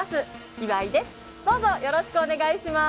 岩井ですどうぞよろしくお願いします